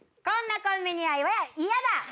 こんなコンビニは嫌だ。